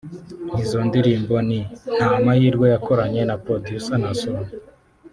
Izo ndirimbo ni ‘Nta Mahirwe’ yakoranye na Producer Naason